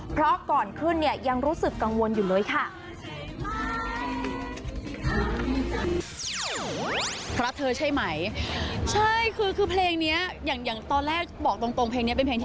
เพราะก่อนขึ้นเนี่ยยังรู้สึกกังวลอยู่เลยค่ะ